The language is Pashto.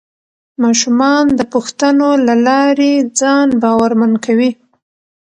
ماشومان د پوښتنو له لارې ځان باورمن کوي